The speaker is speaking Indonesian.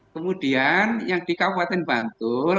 kemudian yang di kabupaten bantul